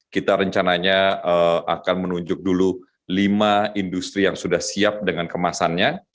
kita rencananya akan menunjuk dulu lima industri yang sudah siap dengan kemasannya